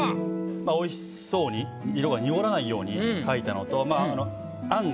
まあ美味しそうに色が濁らないように描いたのと。